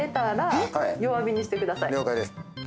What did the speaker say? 了解です